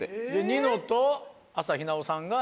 ニノと朝日奈央さんがＢ。